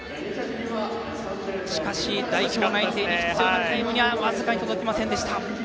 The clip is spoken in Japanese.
しかし、代表内定に必要なタイムには僅かに届きませんでした。